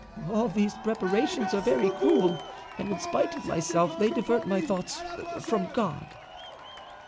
All these preparations are very cruel; and, in spite of myself, they divert my thoughts, from God."